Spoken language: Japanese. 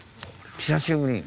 久しぶりに。